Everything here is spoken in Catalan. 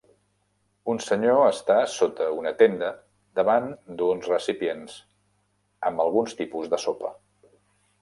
Un senyor està sota una tenda davant d'uns recipients amb algun tipus de sopa.